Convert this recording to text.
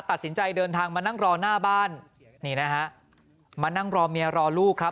ตัดสินใจเดินทางมานั่งรอหน้าบ้านนี่นะฮะมานั่งรอเมียรอลูกครับ